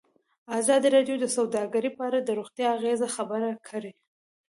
ازادي راډیو د سوداګري په اړه د روغتیایي اغېزو خبره کړې.